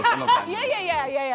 いやいやいやいやいや！